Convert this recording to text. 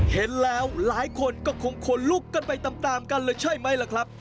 เห็นแล้วหลายคนก็คงขนลุกกันไปตามกันเลยใช่ไหมล่ะครับ